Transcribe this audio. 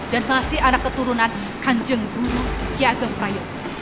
dan masih anak keturunan kanjeng guru kiagam paya